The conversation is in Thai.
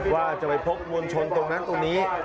ว่าจะไปพบมวลชนตรงนั้นตรงนี้